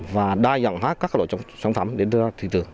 và đa dọng hóa các loại sản phẩm để đưa ra thị trường